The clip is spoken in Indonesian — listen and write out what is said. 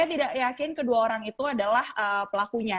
saya tidak yakin kedua orang itu adalah pelakunya